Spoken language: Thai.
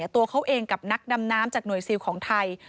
ตัวเขาเองกับนักดำน้ำจากหน่วยซิลของไทย